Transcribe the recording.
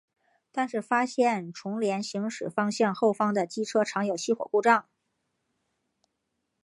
但是发现重联行驶方向后方的机车常有熄火故障。